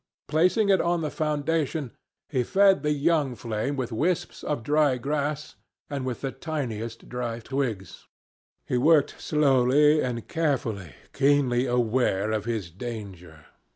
Placing it on the foundation, he fed the young flame with wisps of dry grass and with the tiniest dry twigs. He worked slowly and carefully, keenly aware of his danger.